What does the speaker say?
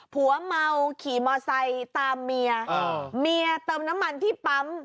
ผัวเมาขี่มอไซค์ตามเมียเมียเติมน้ำมันที่ปั๊ม